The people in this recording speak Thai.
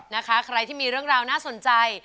นะคะใครที่มีเรื่องราวน่าสนใจ